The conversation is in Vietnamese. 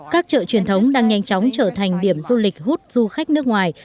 các chợ truyền thống đang nhanh chóng trở thành điểm du lịch hút du khách nước ngoài